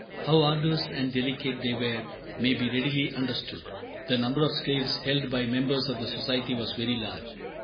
How arduous and delicate they were may be readily understood. The number of slaves held by members of the Society was very large.